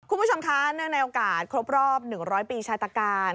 คุณผู้ชมคะเนื่องในโอกาสครบรอบ๑๐๐ปีชาตการ